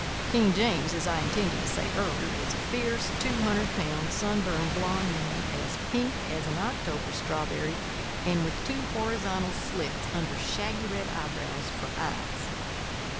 King James, as I intended to say earlier, was a fierce, two hundred pound, sunburned, blond man, as pink as an October strawberry, and with two horizontal slits under shaggy red eyebrows for eyes.